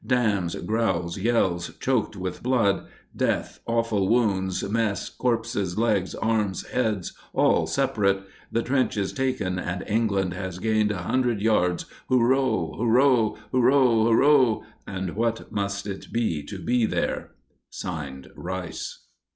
Damns, growls, yells choked with blood! Death, awful wounds, mess, corpses, legs, arms, heads all separate! The trench is taken, and England has gained A hundred yards! Hoorooh! Hoorooh! Hoorooh! Hoorooh! And what must it be to be there!!! Signed RICE.